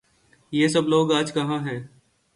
یہ سب لوگ آج کہاں ہیں؟